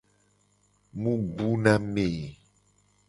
Mu bu na me.